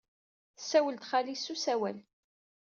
Tessawel ed xali-s s usawal.